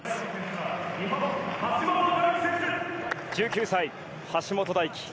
１９歳、橋本大輝。